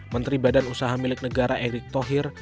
menteri badan usaha milik negara erick thohir